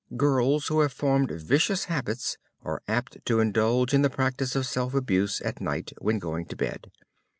Girls who have formed vicious habits are apt to indulge in the practice of self abuse at night when going to bed.